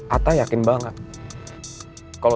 atta yakin sekali